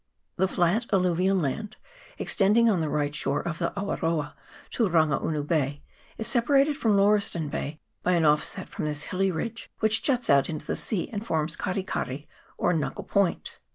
The flat alluvial land extending on the right shore of the Awaroa to Rangaunu Bay is separated from Lauriston Bay by an offset from this hilly ridge, which juts out into the sea, and forms Kari Kari, or Knuckle Point.